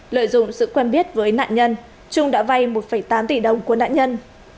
lợi dụng sự quen biết với nạn nhân trung đã vay một tám tỷ đồng của nạn nhân